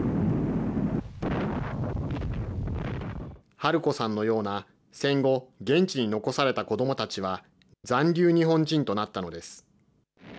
ハルコさんのような戦後、現地に残された子どもたちは、残留日本人となったのです。